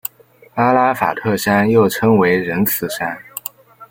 阿拉法特山又称为仁慈山。